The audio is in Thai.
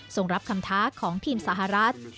ส่งรับคำท้าของทีมสหรัฐ